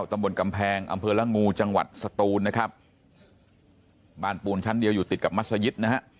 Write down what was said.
ตำบลกำแพงอำเภอละงูจังหวัดสตูนนะครับบ้านปูนชั้นเดียวอยู่ติดกับมัศยิตนะฮะ